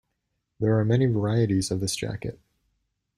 There are many varieties of this jacket.